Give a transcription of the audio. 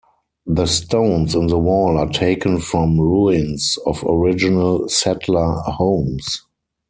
The stones in the wall are taken from ruins of original Settler homes.